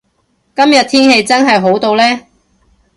今日天氣真係好到呢